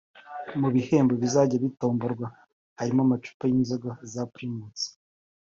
Mu bihembo bizajya bitomborwa harimo amacupa y’inzoga za Primus